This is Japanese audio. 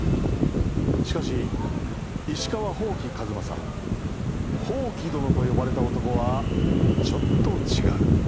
しかし石川伯耆数正「ほうきどの」と呼ばれた男はちょっと違う。